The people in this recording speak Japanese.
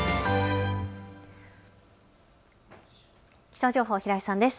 気象情報、平井さんです。